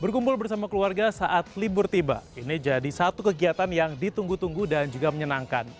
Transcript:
berkumpul bersama keluarga saat libur tiba ini jadi satu kegiatan yang ditunggu tunggu dan juga menyenangkan